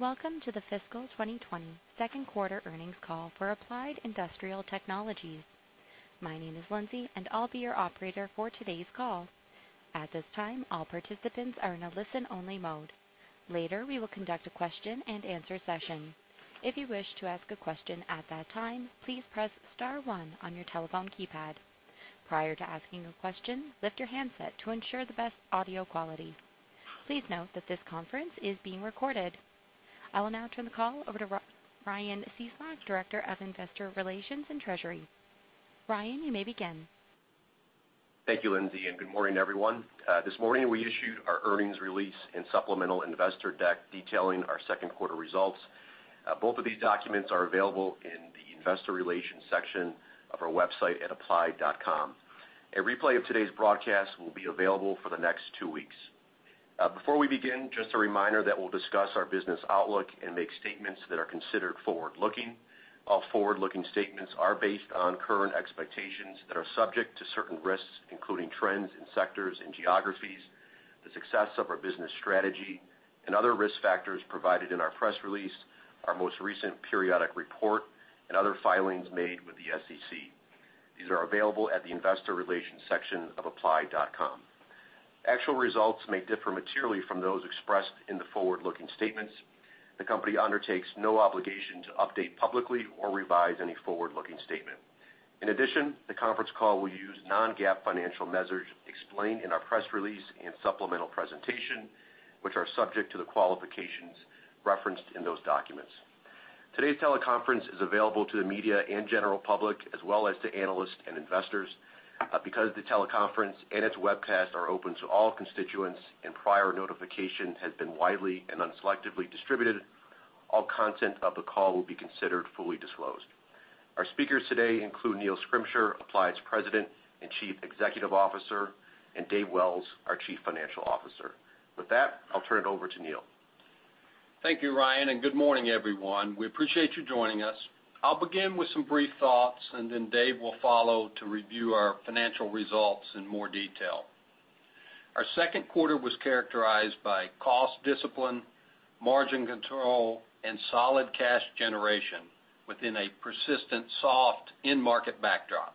Welcome to the fiscal 2020 second quarter earnings call for Applied Industrial Technologies. My name is Lindsay, and I'll be your operator for today's call. At this time, all participants are in a listen-only mode. Later, we will conduct a question and answer session. If you wish to ask a question at that time, please press star one on your telephone keypad. Prior to asking a question, lift your handset to ensure the best audio quality. Please note that this conference is being recorded. I will now turn the call over to Ryan Cieslak, Director of Investor Relations and Treasury. Ryan, you may begin. Thank you, Lindsay, and good morning, everyone. This morning, we issued our earnings release and supplemental investor deck detailing our second quarter results. Both of these documents are available in the investor relations section of our website at applied.com. A replay of today's broadcast will be available for the next two weeks. Before we begin, just a reminder that we'll discuss our business outlook and make statements that are considered forward-looking. All forward-looking statements are based on current expectations that are subject to certain risks, including trends in sectors and geographies, the success of our business strategy, and other risk factors provided in our press release, our most recent periodic report, and other filings made with the SEC. These are available at the investor relations section of applied.com. Actual results may differ materially from those expressed in the forward-looking statements. The company undertakes no obligation to update publicly or revise any forward-looking statement. In addition, the conference call will use non-GAAP financial measures explained in our press release and supplemental presentation, which are subject to the qualifications referenced in those documents. Today's teleconference is available to the media and general public, as well as to analysts and investors. Because the teleconference and its webcast are open to all constituents and prior notification has been widely and unselectively distributed, all content of the call will be considered fully disclosed. Our speakers today include Neil Schrimsher, Applied's President and Chief Executive Officer, and David Wells, our Chief Financial Officer. With that, I'll turn it over to Neil. Thank you, Ryan. Good morning, everyone. We appreciate you joining us. I'll begin with some brief thoughts, and then Dave will follow to review our financial results in more detail. Our second quarter was characterized by cost discipline, margin control, and solid cash generation within a persistent soft end market backdrop.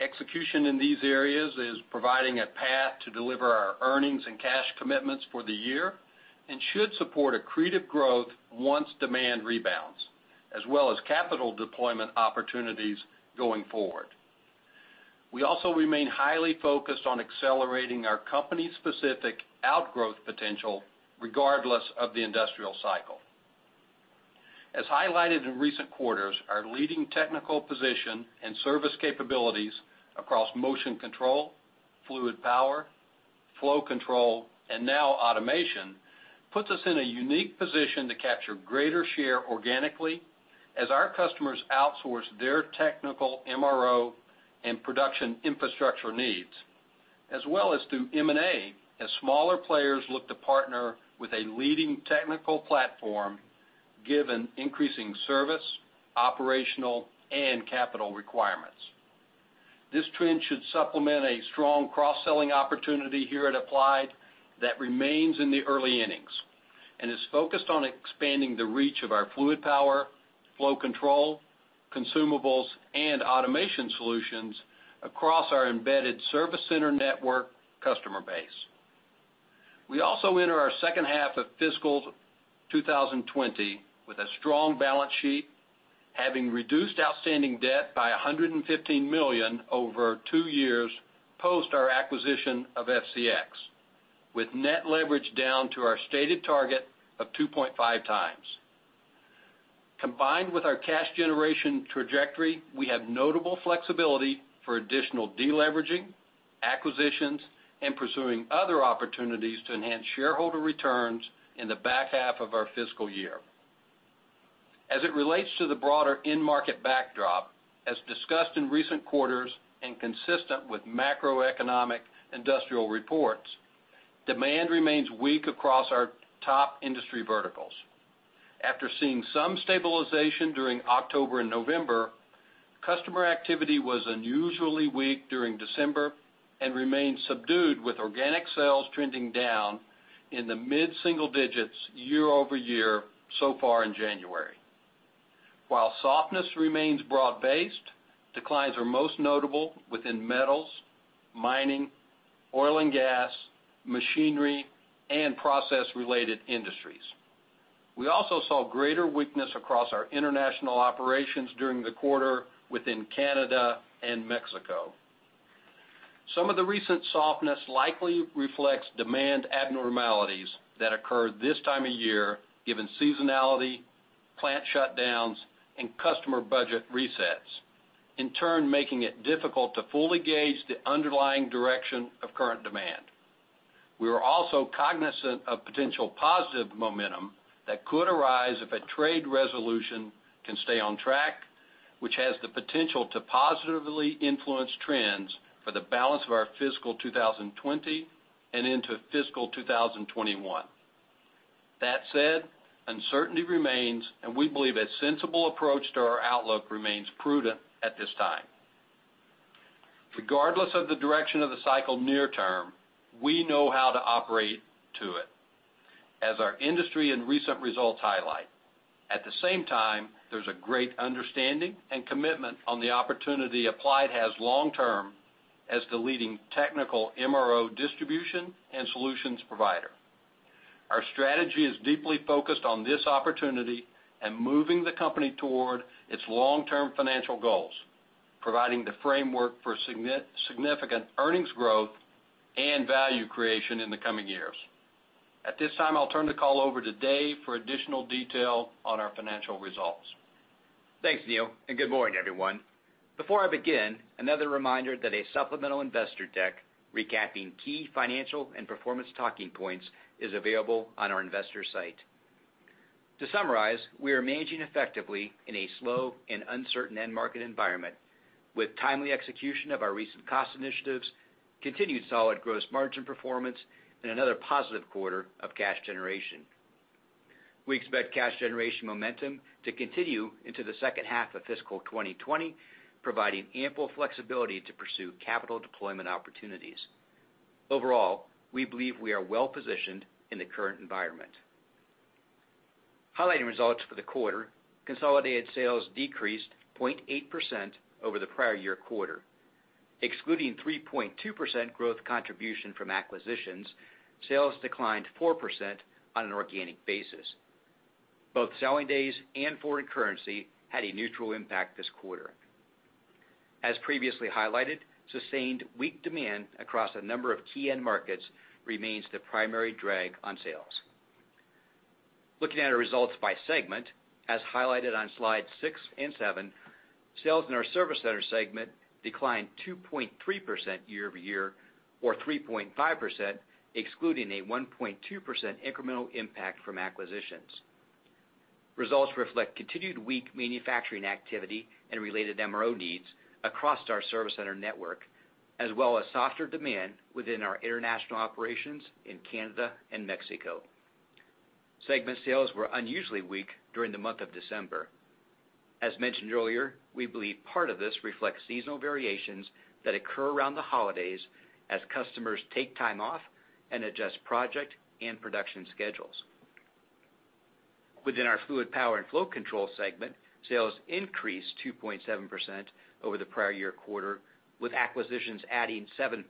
Execution in these areas is providing a path to deliver our earnings and cash commitments for the year and should support accretive growth once demand rebounds, as well as capital deployment opportunities going forward. We also remain highly focused on accelerating our company's specific outgrowth potential regardless of the industrial cycle. As highlighted in recent quarters, our leading technical position and service capabilities across motion control, fluid power, flow control, and now automation, puts us in a unique position to capture greater share organically as our customers outsource their technical MRO and production infrastructure needs, as well as through M&A, as smaller players look to partner with a leading technical platform given increasing service, operational, and capital requirements. This trend should supplement a strong cross-selling opportunity here at Applied that remains in the early innings and is focused on expanding the reach of our fluid power, flow control, consumables, and automation solutions across our embedded service center network customer base. We also enter our second half of fiscal 2020 with a strong balance sheet, having reduced outstanding debt by $115 million over two years post our acquisition of FCX, with net leverage down to our stated target of 2.5 times. Combined with our cash generation trajectory, we have notable flexibility for additional deleveraging, acquisitions, and pursuing other opportunities to enhance shareholder returns in the back half of our fiscal year. As it relates to the broader end market backdrop, as discussed in recent quarters and consistent with macroeconomic industrial reports, demand remains weak across our top industry verticals. After seeing some stabilization during October and November, customer activity was unusually weak during December and remains subdued, with organic sales trending down in the mid-single digits year-over-year so far in January. While softness remains broad-based, declines are most notable within metals, mining, oil and gas, machinery, and process-related industries. We also saw greater weakness across our international operations during the quarter within Canada and Mexico. Some of the recent softness likely reflects demand abnormalities that occur this time of year given seasonality, plant shutdowns, and customer budget resets, in turn, making it difficult to fully gauge the underlying direction of current demand. We are also cognizant of potential positive momentum that could arise if a trade resolution can stay on track, which has the potential to positively influence trends for the balance of our fiscal 2020 and into fiscal 2021. That said, uncertainty remains, and we believe a sensible approach to our outlook remains prudent at this time. Regardless of the direction of the cycle near term, we know how to operate to it, as our industry and recent results highlight. At the same time, there's a great understanding and commitment on the opportunity Applied has long term as the leading technical MRO distribution and solutions provider. Our strategy is deeply focused on this opportunity and moving the company toward its long-term financial goals, providing the framework for significant earnings growth and value creation in the coming years. At this time, I'll turn the call over to Dave for additional detail on our financial results. Thanks, Neil, and good morning, everyone. Before I begin, another reminder that a supplemental investor deck recapping key financial and performance talking points is available on our investor site. To summarize, we are managing effectively in a slow and uncertain end market environment with timely execution of our recent cost initiatives, continued solid gross margin performance, and another positive quarter of cash generation. We expect cash generation momentum to continue into the second half of fiscal 2020, providing ample flexibility to pursue capital deployment opportunities. Overall, we believe we are well-positioned in the current environment. Highlighting results for the quarter, consolidated sales decreased 0.8% over the prior year quarter. Excluding 3.2% growth contribution from acquisitions, sales declined 4% on an organic basis. Both selling days and foreign currency had a neutral impact this quarter. As previously highlighted, sustained weak demand across a number of key end markets remains the primary drag on sales. Looking at our results by segment, as highlighted on slide six and seven, sales in our Service Center segment declined 2.3% year-over-year, or 3.5%, excluding a 1.2% incremental impact from acquisitions. Results reflect continued weak manufacturing activity and related MRO needs across our service center network, as well as softer demand within our international operations in Canada and Mexico. Segment sales were unusually weak during the month of December. As mentioned earlier, we believe part of this reflects seasonal variations that occur around the holidays as customers take time off and adjust project and production schedules. Within our Fluid Power and Flow Control segment, sales increased 2.7% over the prior year quarter, with acquisitions adding 7.6%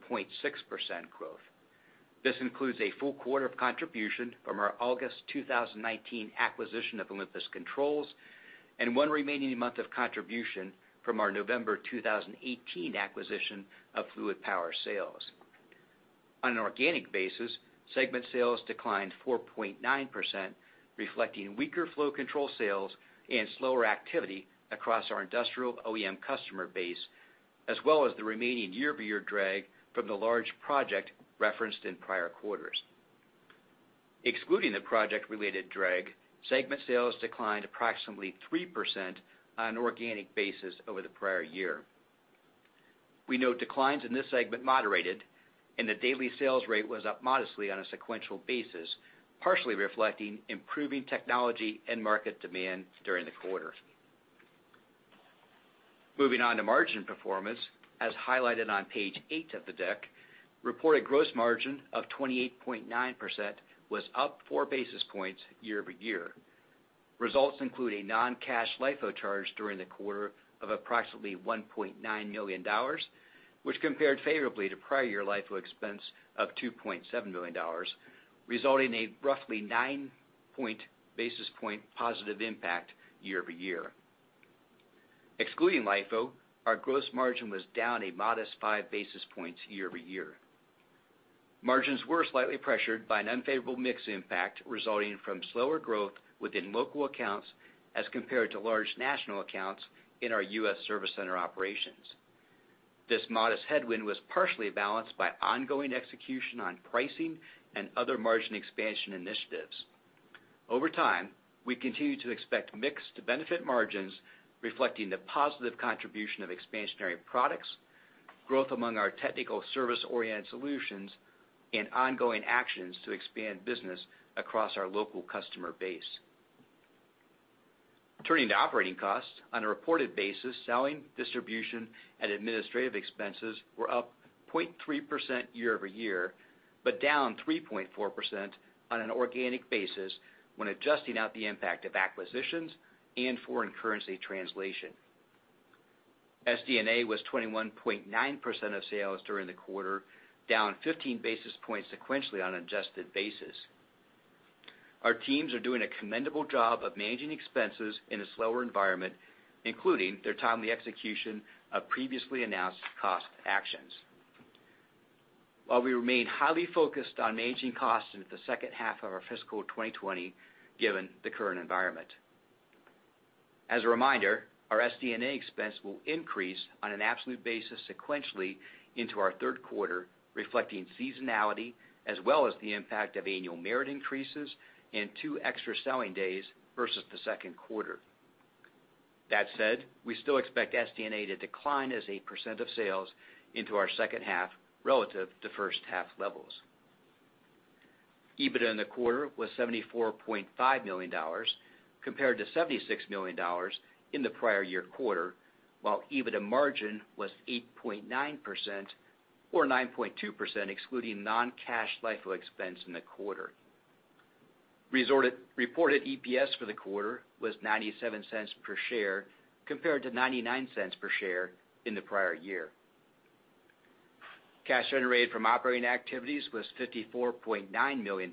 growth. This includes a full quarter of contribution from our August 2019 acquisition of Olympus Controls, and one remaining month of contribution from our November 2018 acquisition of Fluid Power Sales. On an organic basis, segment sales declined 4.9%, reflecting weaker flow control sales and slower activity across our industrial OEM customer base, as well as the remaining year-over-year drag from the large project referenced in prior quarters. Excluding the project-related drag, segment sales declined approximately 3% on an organic basis over the prior year. We note declines in this segment moderated, and the daily sales rate was up modestly on a sequential basis, partially reflecting improving technology and market demand during the quarter. Moving on to margin performance, as highlighted on page eight of the deck, reported gross margin of 28.9% was up four basis points year-over-year. Results include a non-cash LIFO charge during the quarter of approximately $1.9 million, which compared favorably to prior year LIFO expense of $2.7 million, resulting a roughly nine basis point positive impact year-over-year. Excluding LIFO, our gross margin was down a modest five basis points year-over-year. Margins were slightly pressured by an unfavorable mix impact resulting from slower growth within local accounts as compared to large national accounts in our U.S. Service Center operations. This modest headwind was partially balanced by ongoing execution on pricing and other margin expansion initiatives. Over time, we continue to expect mix to benefit margins, reflecting the positive contribution of expansionary products, growth among our technical service-oriented solutions, and ongoing actions to expand business across our local customer base. Turning to operating costs. On a reported basis, selling, distribution, and administrative expenses were up 0.3% year-over-year, but down 3.4% on an organic basis when adjusting out the impact of acquisitions and foreign currency translation. SD&A was 21.9% of sales during the quarter, down 15 basis points sequentially on an adjusted basis. Our teams are doing a commendable job of managing expenses in a slower environment, including their timely execution of previously announced cost actions, while we remain highly focused on managing costs into the second half of our fiscal 2020, given the current environment. As a reminder, our SD&A expense will increase on an absolute basis sequentially into our third quarter, reflecting seasonality as well as the impact of annual merit increases and two extra selling days versus the second quarter. That said, we still expect SD&A to decline as a percent of sales into our second half relative to first half levels. EBITDA in the quarter was $74.5 million compared to $76 million in the prior year quarter, while EBITDA margin was 8.9%, or 9.2% excluding non-cash LIFO expense in the quarter. Reported EPS for the quarter was $0.97 per share compared to $0.99 per share in the prior year. Cash generated from operating activities was $54.9 million,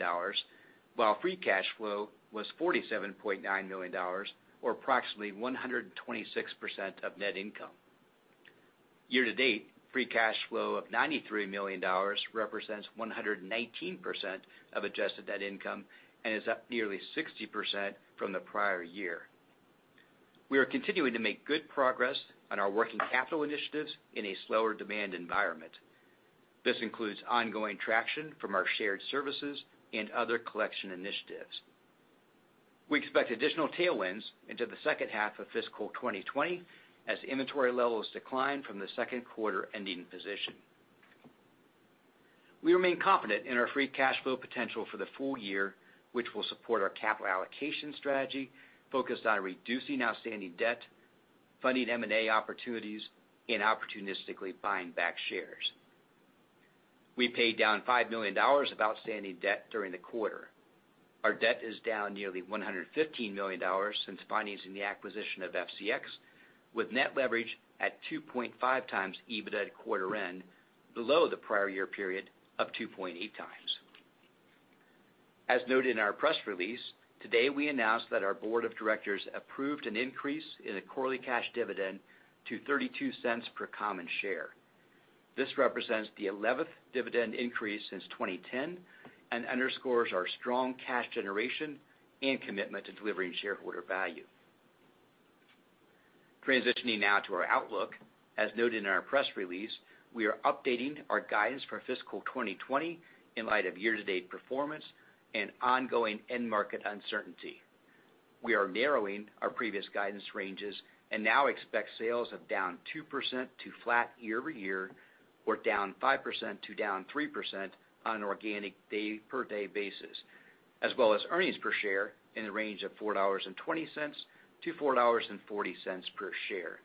while free cash flow was $47.9 million or approximately 126% of net income. Year to date, free cash flow of $93 million represents 119% of adjusted net income and is up nearly 60% from the prior year. We are continuing to make good progress on our working capital initiatives in a slower demand environment. This includes ongoing traction from our shared services and other collection initiatives. We expect additional tailwinds into the second half of fiscal 2020 as inventory levels decline from the second quarter ending position. We remain confident in our free cash flow potential for the full year, which will support our capital allocation strategy focused on reducing outstanding debt, funding M&A opportunities, and opportunistically buying back shares. We paid down $5 million of outstanding debt during the quarter. Our debt is down nearly $115 million since funding the acquisition of FCX, with net leverage at 2.5 times EBITDA at quarter end, below the prior year period of 2.8 times. As noted in our press release, today we announced that our board of directors approved an increase in the quarterly cash dividend to $0.32 per common share. This represents the 11th dividend increase since 2010 and underscores our strong cash generation and commitment to delivering shareholder value. Transitioning now to our outlook. As noted in our press release, we are updating our guidance for fiscal 2020 in light of year-to-date performance and ongoing end market uncertainty. We are narrowing our previous guidance ranges and now expect sales of down 2% to flat year-over-year, or down 5% to down 3% on an organic day-per-day basis, as well as earnings per share in the range of $4.20-$4.40 per share.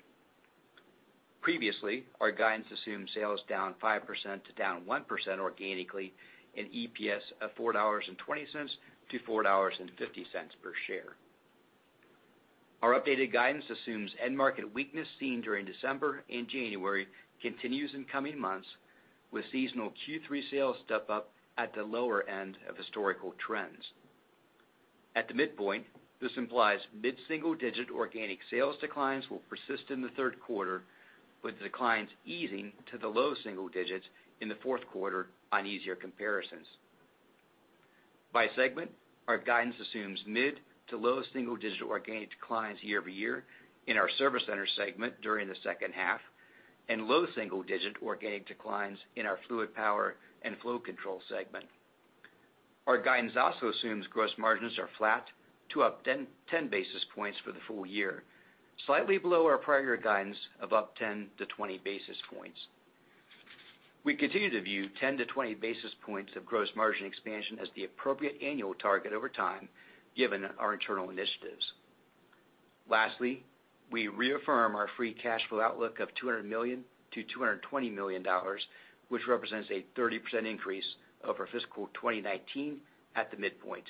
Previously, our guidance assumed sales down 5% to down 1% organically and EPS of $4.20-$4.50 per share. Our updated guidance assumes end market weakness seen during December and January continues in coming months, with seasonal Q3 sales step-up at the lower end of historical trends. At the midpoint, this implies mid-single-digit organic sales declines will persist in the third quarter, with declines easing to the low single digits in the fourth quarter on easier comparisons. By segment, our guidance assumes mid to low single-digit organic declines year-over-year in our Service Center segment during the second half, and low single-digit organic declines in our Fluid Power and Flow Control segment. Our guidance also assumes gross margins are flat to up 10 basis points for the full year, slightly below our prior guidance of up 10 to 20 basis points. We continue to view 10 to 20 basis points of gross margin expansion as the appropriate annual target over time, given our internal initiatives. Lastly, we reaffirm our free cash flow outlook of $200 million to $220 million, which represents a 30% increase over fiscal 2019 at the midpoint.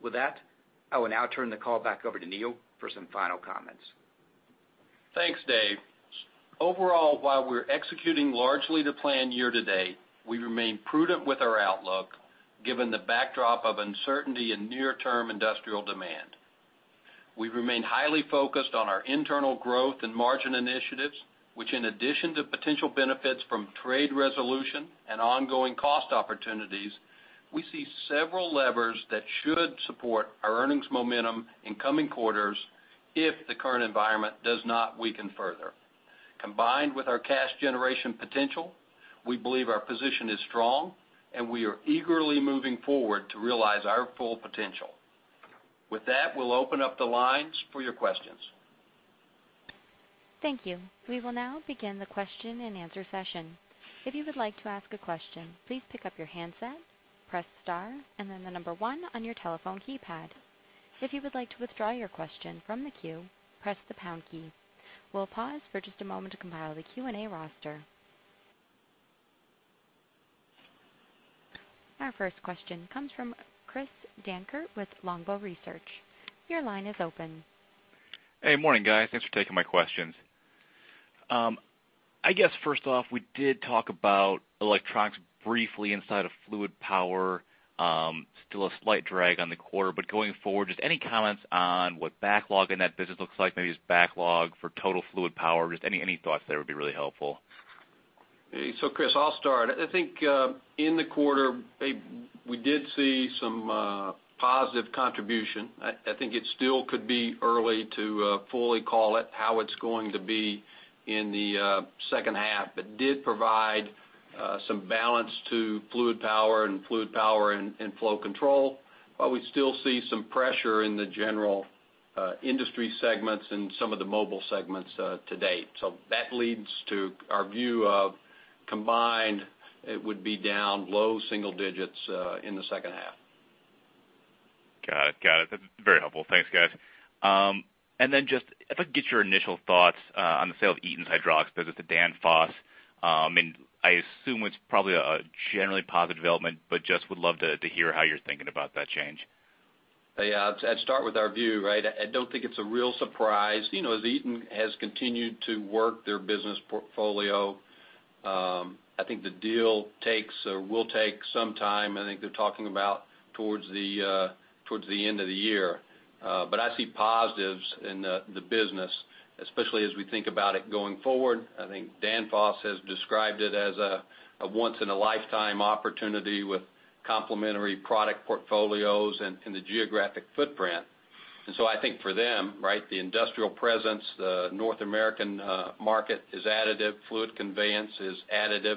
With that, I will now turn the call back over to Neil for some final comments. Thanks, Dave. Overall, while we're executing largely to plan year to date, we remain prudent with our outlook given the backdrop of uncertainty in near-term industrial demand. We remain highly focused on our internal growth and margin initiatives, which in addition to potential benefits from trade resolution and ongoing cost opportunities, we see several levers that should support our earnings momentum in coming quarters if the current environment does not weaken further. Combined with our cash generation potential, we believe our position is strong, and we are eagerly moving forward to realize our full potential. With that, we'll open up the lines for your questions. Thank you. We will now begin the question and answer session. If you would like to ask a question, please pick up your handset, press star, and then the number one on your telephone keypad. If you would like to withdraw your question from the queue, press the pound key. We'll pause for just a moment to compile the Q&A roster. Our first question comes from Chris Dankert with Longbow Research. Your line is open. Hey, morning guys. Thanks for taking my questions. I guess first off, we did talk about electronics briefly inside of fluid power. Still a slight drag on the quarter, but going forward, just any comments on what backlog in that business looks like? Maybe it's backlog for total fluid power. Just any thoughts there would be really helpful. Chris Dankert, I'll start. I think in the quarter, we did see some positive contribution. I think it still could be early to fully call it how it's going to be in the second half. It did provide some balance to Fluid Power and Flow Control. We still see some pressure in the general industry segments and some of the mobile segments to date. That leads to our view of combined, it would be down low single digits in the second half. Got it. That's very helpful. Thanks, guys. Just if I could get your initial thoughts on the sale of Eaton's Hydraulics business to Danfoss. I assume it's probably a generally positive development, but just would love to hear how you're thinking about that change. Yeah. I'd start with our view. I don't think it's a real surprise. Eaton has continued to work their business portfolio. I think the deal will take some time. I think they're talking about towards the end of the year. I see positives in the business, especially as we think about it going forward. I think Danfoss has described it as a once-in-a-lifetime opportunity with complementary product portfolios and the geographic footprint. I think for them, the industrial presence, the North American market is additive, fluid conveyance is additive.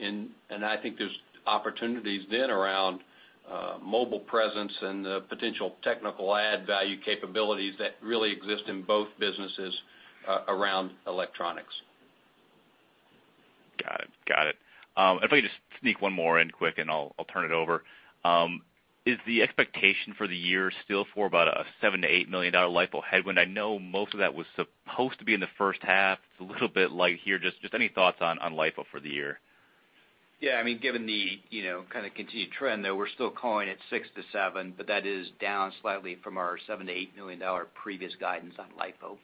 I think there's opportunities then around mobile presence and the potential technical add-value capabilities that really exist in both businesses around electronics. Got it. If I could just sneak one more in quick and I'll turn it over. Is the expectation for the year still for about a $7 million-$8 million LIFO headwind? I know most of that was supposed to be in the first half. It's a little bit light here. Just any thoughts on LIFO for the year? Yeah, given the kind of continued trend, though, we're still calling it $6 million-$7 million, but that is down slightly from our $7 million-$8 million previous guidance on LIFO.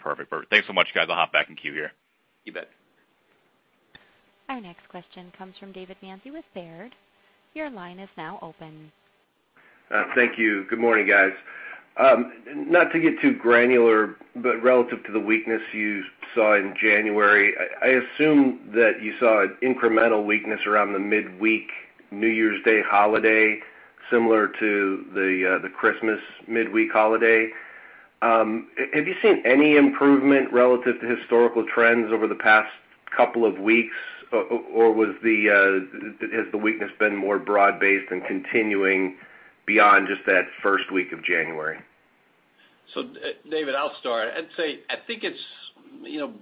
Perfect. Thanks so much, guys. I'll hop back in queue here. You bet. Our next question comes from David Manthey with Baird. Your line is now open. Thank you. Good morning, guys. Not to get too granular, relative to the weakness you saw in January, I assume that you saw incremental weakness around the midweek New Year's Day holiday, similar to the Christmas midweek holiday. Have you seen any improvement relative to historical trends over the past couple of weeks? Has the weakness been more broad-based and continuing beyond just that first week of January? David, I'll start. I'd say, I think it's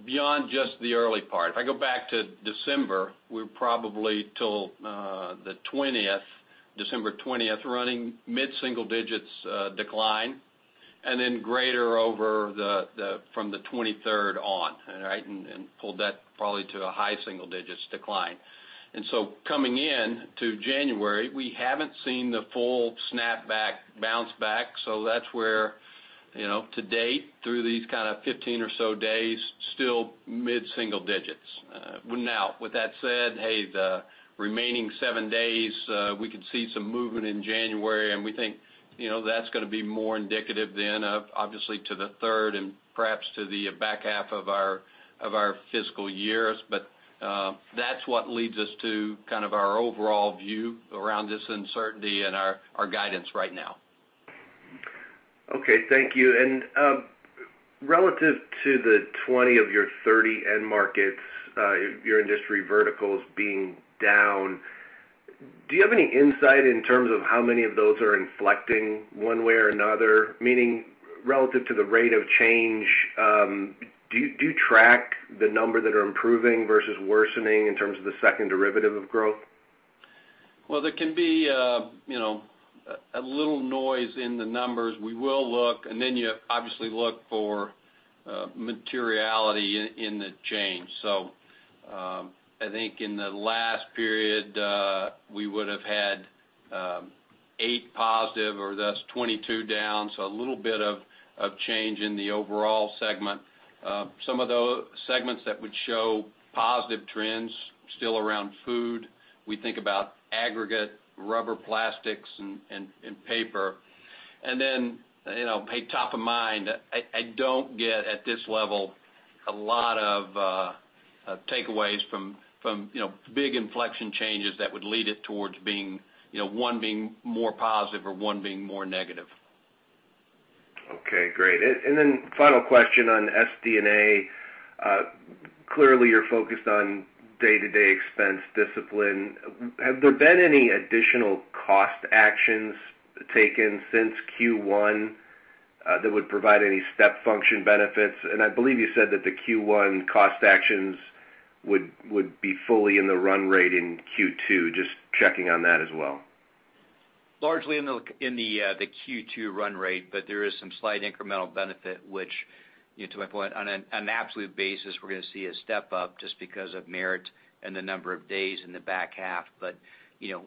beyond just the early part. If I go back to December, we're probably till the 20th, December 20th, running mid-single digits decline, and then greater from the 23rd on. Pulled that probably to a high single digits decline. Coming in to January, we haven't seen the full snapback, bounce back. That's where, to date, through these kind of 15 or so days, still mid-single digits. With that said, hey, the remaining seven days, we could see some movement in January, and we think that's going to be more indicative then of, obviously, to the third and perhaps to the back half of our fiscal years. That's what leads us to kind of our overall view around this uncertainty and our guidance right now. Okay, thank you. Relative to the 20 of your 30 end markets, your industry verticals being down, do you have any insight in terms of how many of those are inflecting one way or another? Meaning, relative to the rate of change, do you track the number that are improving versus worsening in terms of the second derivative of growth? Well, there can be a little noise in the numbers. We will look, you obviously look for materiality in the change. I think in the last period, we would have had eight positive or thus 22 down, so a little bit of change in the overall segment. Some of those segments that would show positive trends still around food. We think about aggregate, rubber plastics, and paper. Top of mind, I don't get, at this level, a lot of takeaways from big inflection changes that would lead it towards one being more positive or one being more negative. Okay, great. Final question on SD&A. Clearly, you're focused on day-to-day expense discipline. Have there been any additional cost actions taken since Q1 that would provide any step function benefits? I believe you said that the Q1 cost actions would be fully in the run rate in Q2. Just checking on that as well. Largely in the Q2 run rate. There is some slight incremental benefit, which to my point, on an absolute basis, we're going to see a step-up just because of merit and the number of days in the back half.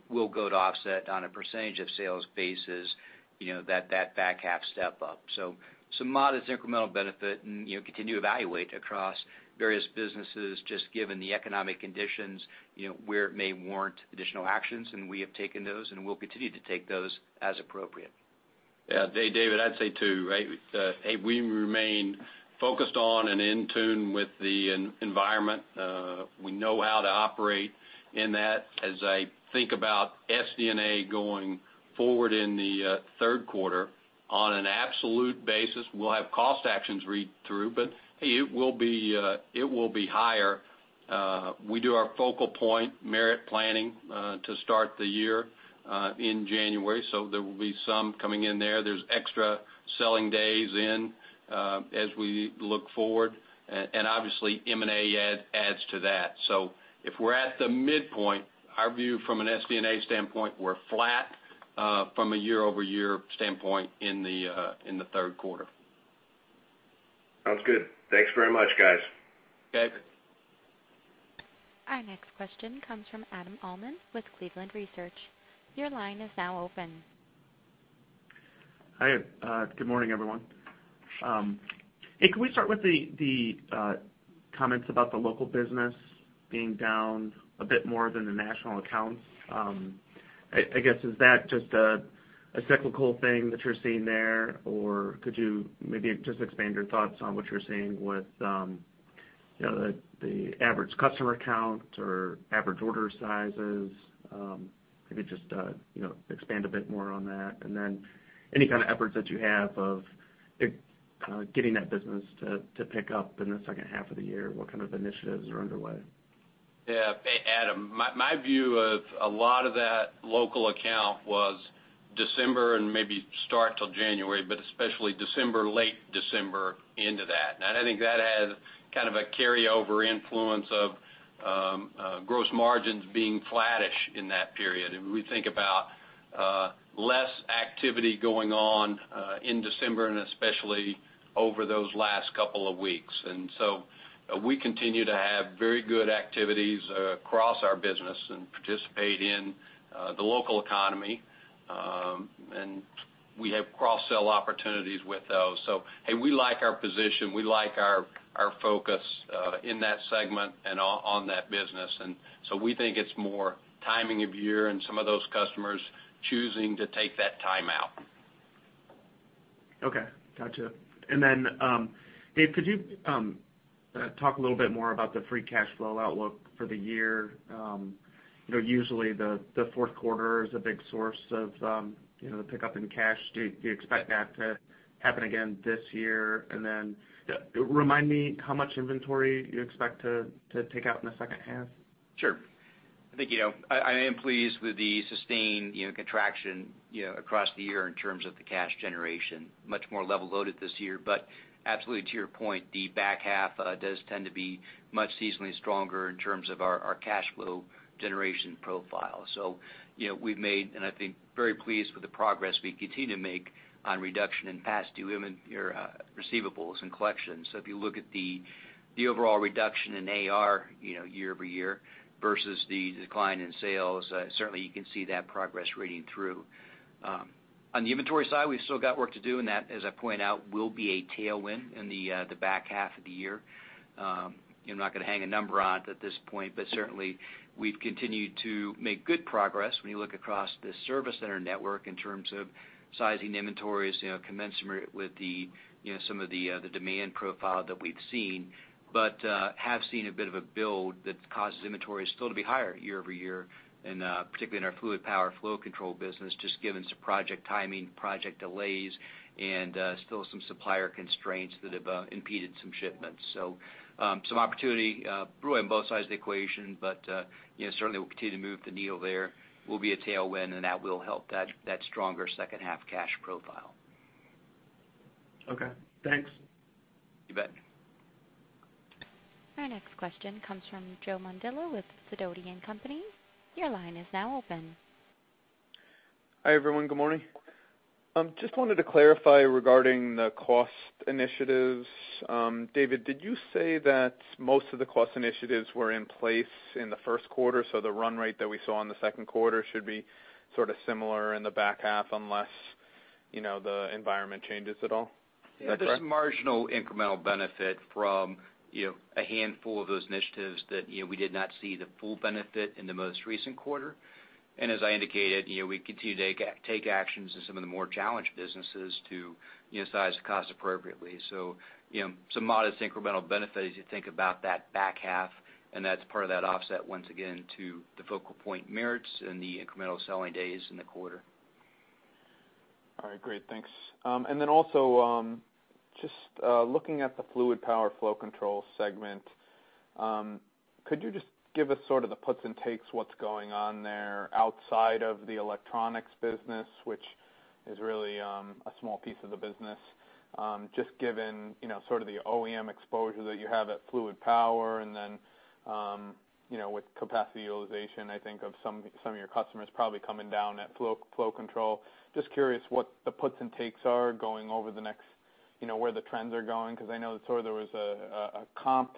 We'll go to offset on a percentage of sales basis, that back half step-up. Some modest incremental benefit and continue to evaluate across various businesses, just given the economic conditions, where it may warrant additional actions, and we have taken those, and we'll continue to take those as appropriate. Yeah. David, I'd say, too, we remain focused on and in tune with the environment. We know how to operate in that. As I think about SD&A going forward in the third quarter, on an absolute basis, we'll have cost actions read through. It will be higher. We do our focal point merit planning to start the year in January, there will be some coming in there. There's extra selling days in as we look forward, obviously, M&A adds to that. If we're at the midpoint, our view from an SD&A standpoint, we're flat from a year-over-year standpoint in the third quarter. Sounds good. Thanks very much, guys. Okay. Our next question comes from Adam Uhlman with Cleveland Research. Your line is now open. Hi, good morning, everyone. Hey, can we start with the comments about the local business being down a bit more than the national accounts? I guess, is that just a cyclical thing that you're seeing there, or could you maybe just expand your thoughts on what you're seeing with the average customer count or average order sizes? Maybe just expand a bit more on that. Any kind of efforts that you have of kind of getting that business to pick up in the second half of the year, what kind of initiatives are underway? Yeah. Adam, my view of a lot of that local account was December and maybe start till January, but especially December, late December into that. I think that had kind of a carryover influence of gross margins being flattish in that period. We think about less activity going on in December and especially over those last couple of weeks. We continue to have very good activities across our business and participate in the local economy. We have cross-sell opportunities with those. Hey, we like our position, we like our focus in that segment and on that business. We think it's more timing of year and some of those customers choosing to take that time out. Okay, gotcha. David, could you talk a little bit more about the free cash flow outlook for the year? Usually, the fourth quarter is a big source of the pickup in cash. Do you expect that to happen again this year? Remind me how much inventory you expect to take out in the second half? I think I am pleased with the sustained contraction across the year in terms of the cash generation. Much more level loaded this year, absolutely to your point, the back half does tend to be much seasonally stronger in terms of our cash flow generation profile. We've made, and I think very pleased with the progress we continue to make on reduction in past due receivables and collections. If you look at the overall reduction in AR year-over-year versus the decline in sales, certainly you can see that progress rating through. On the inventory side, we've still got work to do, and that, as I point out, will be a tailwind in the back half of the year. I'm not going to hang a number on it at this point, but certainly we've continued to make good progress when you look across the service center network in terms of sizing inventories commensurate with some of the demand profile that we've seen. Have seen a bit of a build that causes inventory still to be higher year-over-year, and particularly in our fluid power flow control business, just given some project timing, project delays, and still some supplier constraints that have impeded some shipments. Some opportunity really on both sides of the equation, but certainly we'll continue to move the needle there, will be a tailwind, and that will help that stronger second half cash profile. Okay, thanks. You bet. Our next question comes from Joe Mondillo with Sidoti & Company. Your line is now open. Hi, everyone. Good morning. Just wanted to clarify regarding the cost initiatives. David, did you say that most of the cost initiatives were in place in the first quarter, so the run rate that we saw in the second quarter should be sort of similar in the back half unless the environment changes at all? Is that correct? Yeah, there's marginal incremental benefit from a handful of those initiatives that we did not see the full benefit in the most recent quarter. As I indicated, we continue to take actions in some of the more challenged businesses to size the cost appropriately. Some modest incremental benefit as you think about that back half, and that's part of that offset once again to the focal point merits and the incremental selling days in the quarter. All right, great. Thanks. Also, just looking at the Fluid Power and Flow Control segment, could you just give us sort of the puts and takes what's going on there outside of the electronics business, which is really a small piece of the business? Just given sort of the OEM exposure that you have at fluid power and then with capacity utilization, I think of some of your customers probably coming down at flow control. Just curious what the puts and takes are going where the trends are going, because I know that sort of there was a comp,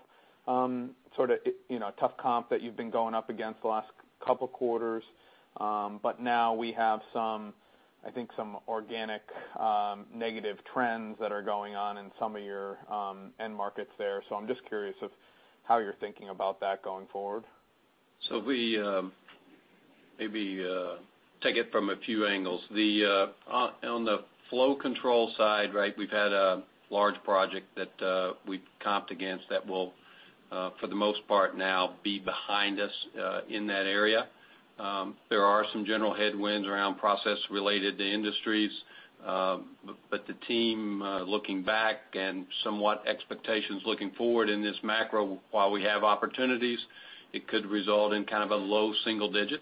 sort of a tough comp that you've been going up against the last couple of quarters. Now we have some, I think, some organic negative trends that are going on in some of your end markets there. I'm just curious of how you're thinking about that going forward. We maybe take it from a few angles. On the flow control side, right, we've had a large project that we comped against that will for the most part now be behind us in that area. There are some general headwinds around process related to industries. The team looking back and somewhat expectations looking forward in this macro, while we have opportunities, it could result in kind of a low single digit.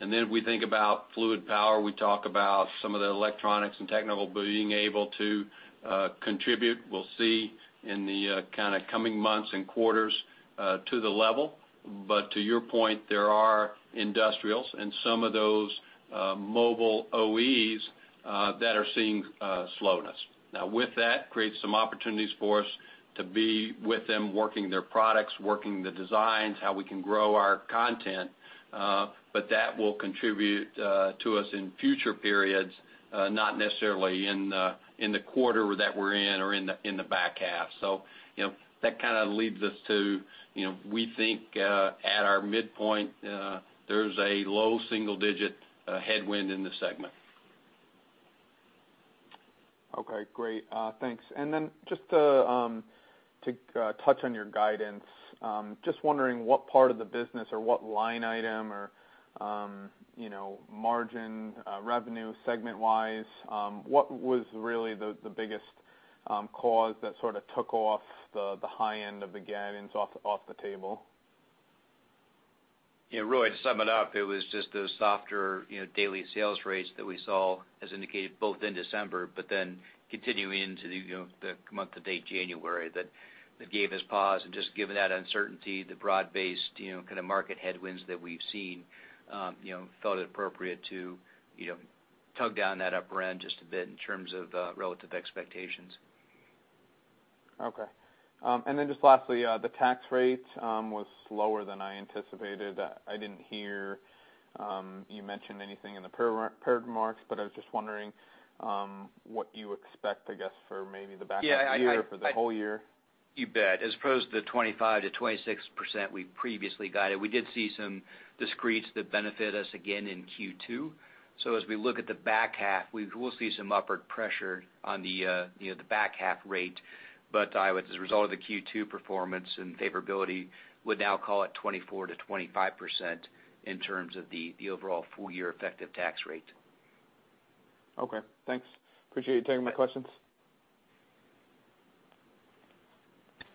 Then we think about fluid power, we talk about some of the electronics and technical being able to contribute. We'll see in the coming months and quarters to the level. To your point, there are industrials and some of those mobile OEs that are seeing slowness. With that, creates some opportunities for us to be with them, working their products, working the designs, how we can grow our content. That will contribute to us in future periods, not necessarily in the quarter that we're in or in the back half. That kind of leads us to, we think, at our midpoint, there's a low single-digit headwind in the segment. Okay, great. Thanks. Just to touch on your guidance, just wondering what part of the business or what line item or margin, revenue segment-wise, what was really the biggest cause that sort of took off the high end of the guidance off the table? Yeah, Joe, to sum it up, it was just those softer daily sales rates that we saw, as indicated, both in December, but then continuing into the month to date, January, that gave us pause. Just given that uncertainty, the broad-based kind of market headwinds that we've seen, felt it appropriate to tug down that upper end just a bit in terms of relative expectations. Okay. Then just lastly, the tax rate was lower than I anticipated. I didn't hear you mention anything in the prepared remarks, I was just wondering what you expect, I guess, for maybe the back half of the year, for the whole year? You bet. As opposed to the 25%-26% we previously guided, we did see some discretes that benefit us again in Q2. As we look at the back half, we will see some upward pressure on the back half rate. We would now call it 24%-25% in terms of the overall full-year effective tax rate. Okay, thanks. Appreciate you taking my questions.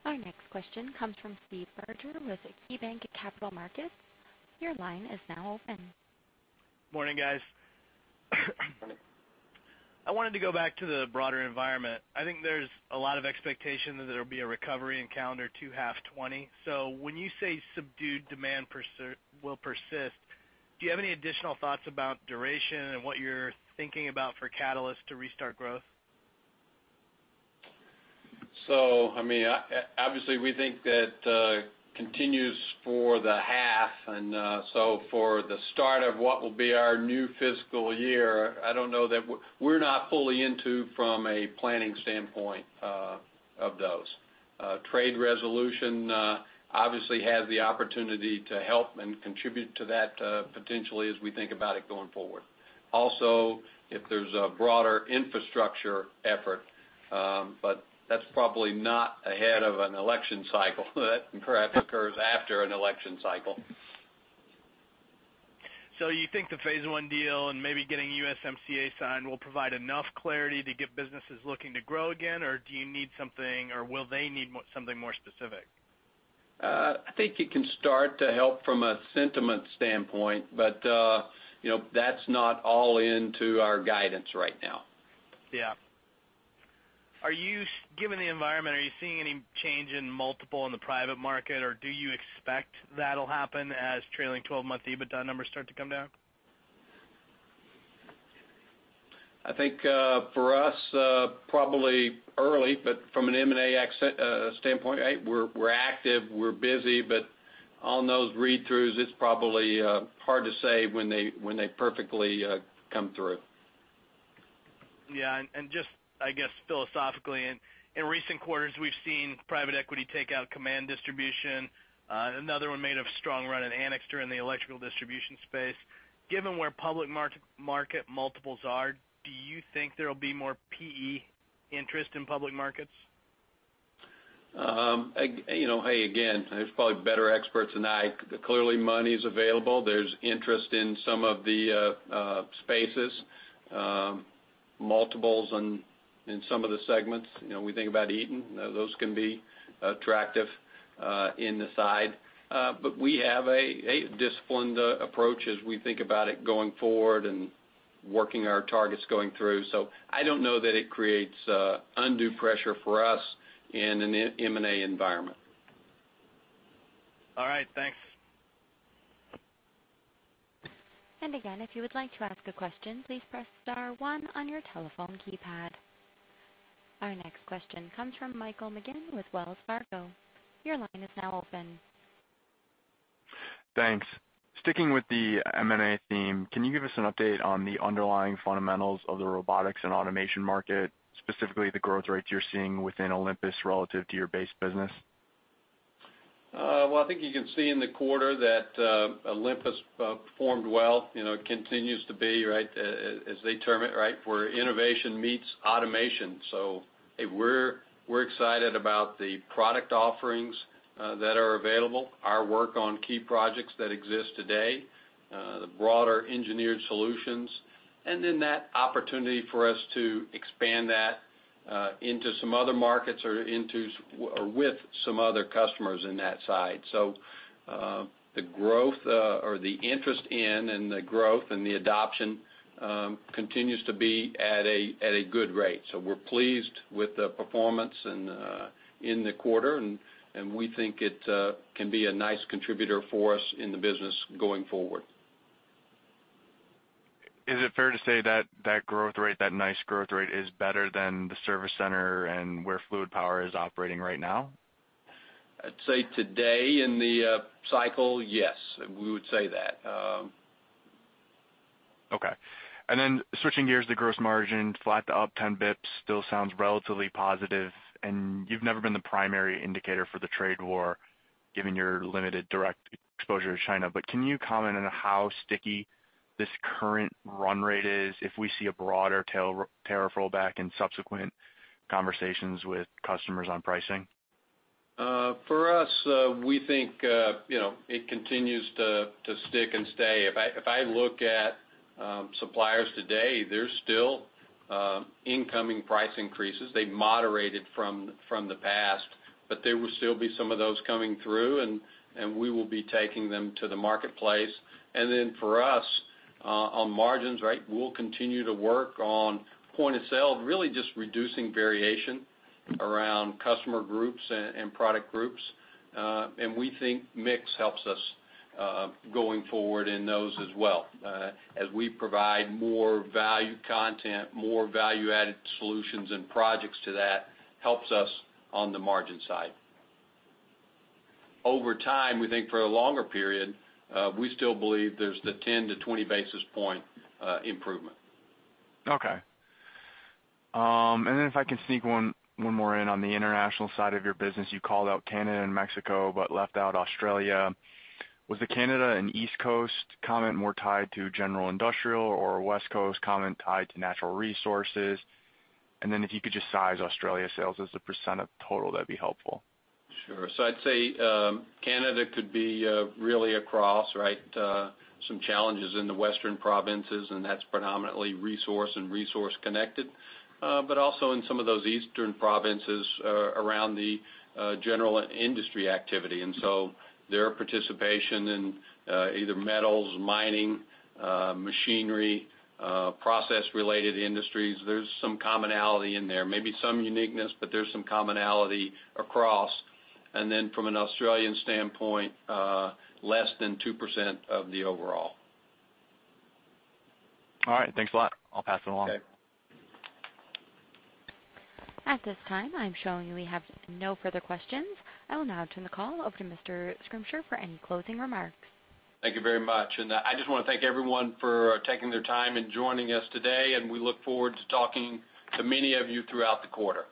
Our next question comes from Steve Berger with KeyBanc Capital Markets. Your line is now open. Morning, guys. I wanted to go back to the broader environment. I think there's a lot of expectation that there will be a recovery in calendar 2H 2020. When you say subdued demand will persist, do you have any additional thoughts about duration and what you're thinking about for catalysts to restart growth? Obviously, we think that continues for the half, for the start of what will be our new fiscal year, I don't know that we're not fully into from a planning standpoint of those. Trade resolution obviously has the opportunity to help and contribute to that, potentially as we think about it going forward. If there's a broader infrastructure effort, that's probably not ahead of an election cycle. That perhaps occurs after an election cycle. You think the phase one deal and maybe getting USMCA signed will provide enough clarity to get businesses looking to grow again, or do you need something or will they need something more specific? I think it can start to help from a sentiment standpoint, but that's not all into our guidance right now. Yeah. Given the environment, are you seeing any change in multiple in the private market, or do you expect that'll happen as trailing 12-month EBITDA numbers start to come down? I think for us, probably early, but from an M&A standpoint, we're active, we're busy, but on those read-throughs, it's probably hard to say when they perfectly come through. Yeah, just, I guess, philosophically, in recent quarters, we've seen private equity take out Command Distribution. Another one made a strong run at Anixter in the electrical distribution space. Given where public market multiples are, do you think there'll be more PE interest in public markets? Hey, again, there's probably better experts than I. Clearly, money's available. There's interest in some of the spaces. Multiples in some of the segments. We think about Eaton, those can be attractive in the side. We have a disciplined approach as we think about it going forward and working our targets going through. I don't know that it creates undue pressure for us in an M&A environment. All right, thanks. Again, if you would like to ask a question, please press star one on your telephone keypad. Our next question comes from Michael McGinn with Wells Fargo. Your line is now open. Thanks. Sticking with the M&A theme, can you give us an update on the underlying fundamentals of the robotics and automation market, specifically the growth rates you're seeing within Olympus relative to your base business? Well, I think you can see in the quarter that Olympus performed well. It continues to be, as they term it, where innovation meets automation. We're excited about the product offerings that are available, our work on key projects that exist today, the broader engineered solutions and then that opportunity for us to expand that into some other markets or with some other customers in that side. The interest in and the growth and the adoption continues to be at a good rate. We're pleased with the performance in the quarter, and we think it can be a nice contributor for us in the business going forward. Is it fair to say that growth rate, that nice growth rate, is better than the service center and where Fluid Power is operating right now? I'd say today in the cycle, yes, we would say that. Okay. Switching gears to gross margin, flat to up 10 basis points still sounds relatively positive, and you've never been the primary indicator for the trade war, given your limited direct exposure to China. Can you comment on how sticky this current run rate is if we see a broader tariff rollback and subsequent conversations with customers on pricing? For us, we think it continues to stick and stay. If I look at suppliers today, there's still incoming price increases. They've moderated from the past, but there will still be some of those coming through, and we will be taking them to the marketplace. For us, on margins, we'll continue to work on point of sale, really just reducing variation around customer groups and product groups. We think mix helps us going forward in those as well. As we provide more value content, more value-added solutions and projects to that, helps us on the margin side. Over time, we think for a longer period, we still believe there's the 10-20 basis point improvement. Okay. If I can sneak one more in on the international side of your business, you called out Canada and Mexico, but left out Australia. Was the Canada and East Coast comment more tied to general industrial or West Coast comment tied to natural resources? If you could just size Australia sales as a percent of total, that would be helpful. Sure. I'd say Canada could be really across. Some challenges in the western provinces, and that's predominantly resource and resource connected. Also in some of those eastern provinces around the general industry activity. Their participation in either metals, mining, machinery, process related industries, there's some commonality in there. Maybe some uniqueness, but there's some commonality across. From an Australian standpoint, less than 2% of the overall. All right, thanks a lot. I'll pass it along. Okay. At this time, I'm showing we have no further questions. I will now turn the call over to Mr. Schrimsher for any closing remarks. Thank you very much. I just want to thank everyone for taking their time and joining us today, and we look forward to talking to many of you throughout the quarter.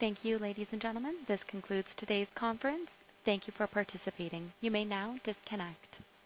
Thank you, ladies and gentlemen. This concludes today's conference. Thank you for participating. You may now disconnect.